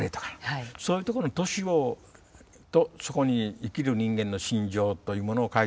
そういうとこの都市とそこに生きる人間の心情というものを書いてる。